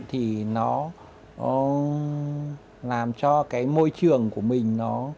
thì nó làm cho cái môi trường của mình